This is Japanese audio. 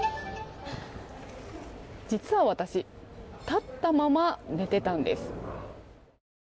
実は私、立ったまま寝てたんです。